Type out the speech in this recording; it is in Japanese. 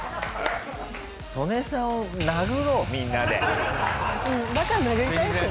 ソネさんを殴ろうみんなで。